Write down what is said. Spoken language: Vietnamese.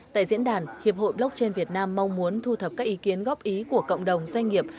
tại diễn đàn hiệp hội blockchain việt nam mong muốn thu thập các ý kiến góp ý của cộng đồng doanh nghiệp